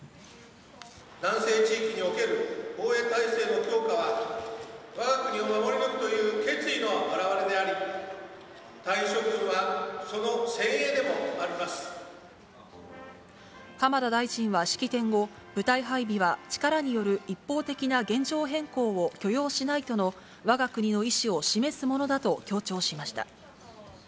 南西地域における防衛体制の強化は、わが国を守り抜くという決意の表れであり、隊員諸君は、その精鋭浜田大臣は式典後、部隊配備は力による一方的な現状変更を許容しないとのわが国の意思を示すものだと強調しました。